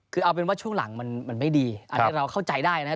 คือเอาเป็นว่าช่วงหลังมันไม่ดีอันนี้เราเข้าใจได้นะ